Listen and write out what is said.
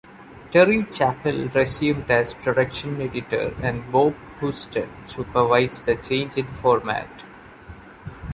Terry Chappell resumed as production editor and Bob Houston supervised the change in format.